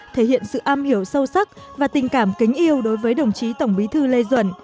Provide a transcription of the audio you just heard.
thể hiện sự am hiểu sâu sắc và tình cảm kính yêu đối với đồng chí tổng bí thư lê duẩn